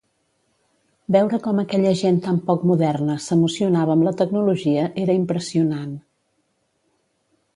Veure com aquella gent tan poc moderna s'emocionava amb la tecnologia era impressionant.